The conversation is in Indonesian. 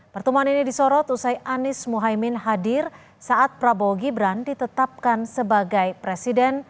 pertemuan ini disorot usai anies mohaimin hadir saat prabowo gibran ditetapkan sebagai presiden